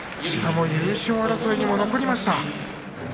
しかも優勝争いに残りました。